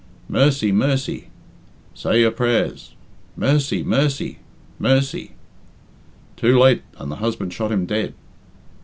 'Mercy, mercy!' 'Say your prayers.' 'Mercy, mercy, mercy!' 'Too late!' and the husband shot him dead.